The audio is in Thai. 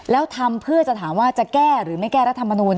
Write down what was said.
แล้วทำเพื่อจะถามว่าจะแก้หรือไม่แก้รัฐมนูล